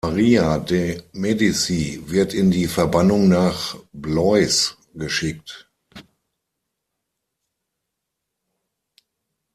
Maria de’ Medici wird in die Verbannung nach Blois geschickt.